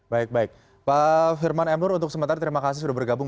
baik baik pak firman em nur untuk sementara terima kasih sudah bergabung